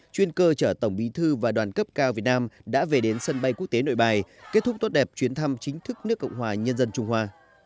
chuyên cơ chở tổng bí thư và đoàn cấp cao việt nam đã về đến sân bay quốc tế nội bài kết thúc tốt đẹp chuyến thăm chính thức nước cộng hòa nhân dân trung hoa